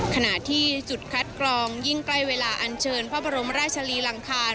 ขณะที่จุดคัดกรองยิ่งใกล้เวลาอันเชิญพระบรมราชลีลังคาร